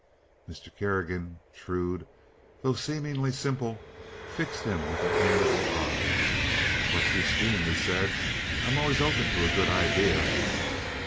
Mr. Kerrigan, shrewd though seemingly simple, fixed him with an amiable eye. "What's your scheme?" he said. "I'm always open to a good idea."